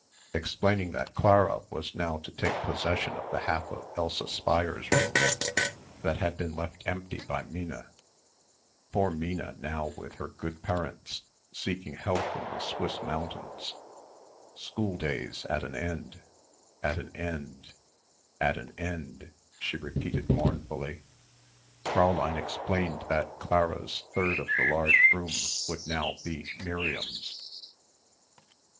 Explaining that Clara was now to take possession of the half of Elsa Speier's room that had been left empty by Minna "poor Minna now with her good parents seeking health in the Swiss mountains, schooldays at an end, at an end, at an end," she repeated mournfully. Fräulein indicated that Clara's third of the large room would now be Miriam's.